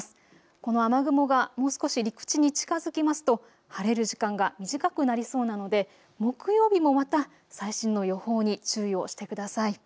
この雨雲がもう少し陸地に近づきますと晴れる時間が短くなりそうなので木曜日もまた最新の予報に注意をしてください。